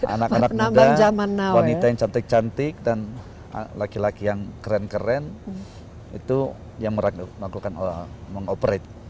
anak anak muda wanita yang cantik cantik dan laki laki yang keren keren itu yang melakukan mengoperate